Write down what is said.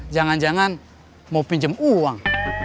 jangan jangan mau pinjam uang